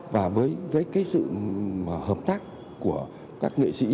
và với sự hợp tác của các nghệ sĩ